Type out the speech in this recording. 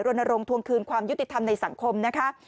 รณรงค์ทวงคืนความยุติธรรมในสังคมนะคะ